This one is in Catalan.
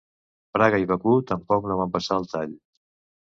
Praga i Bakú tampoc no van passar el tall.